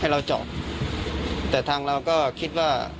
เราจอดแต่ทางเราก็คิดว่า